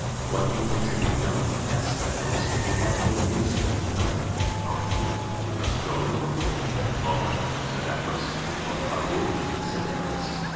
"What do you think should be done," asked Athos, "if we have no news of them to night?" "Pardieu! we must go and look for them." "All right," said Athos. "But Raoul?" said Aramis.